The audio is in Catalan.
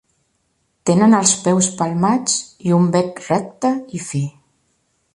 Tenen els peus palmats i un bec recte i fi.